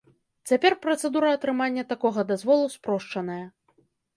Цяпер працэдура атрымання такога дазволу спрошчаная.